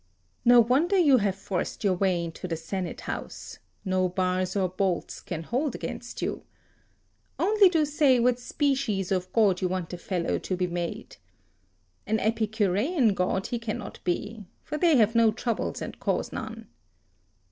"No wonder you have forced your way into the 8 Senate House: no bars or bolts can hold against you. Only do say what species of god you want the fellow to be made. An Epicurean god he cannot be: for they have no troubles and cause none.